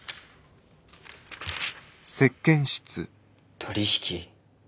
取り引き？